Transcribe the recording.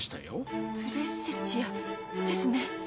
プレセチアですね。